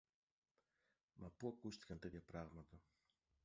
Μα πού ακούστηκαν τέτοια πράματα!